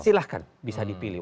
silahkan bisa dipilih